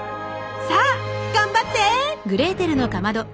さあ頑張って！